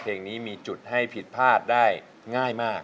เพลงนี้มีจุดให้ผิดพลาดได้ง่ายมาก